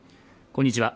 こんにちは